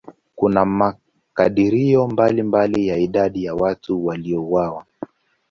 Kuna makadirio mbalimbali ya idadi ya watu waliouawa.